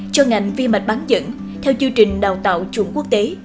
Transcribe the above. cho ngành vi mạch bán dẫn theo chương trình đào tạo chuẩn quốc tế